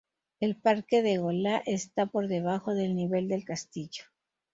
El parque de Gola está por debajo del nivel del castillo.